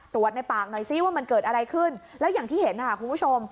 ในปากหน่อยซิว่ามันเกิดอะไรขึ้นแล้วอย่างที่เห็นค่ะคุณผู้ชม